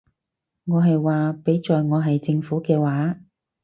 我係話，畀在我係政府嘅話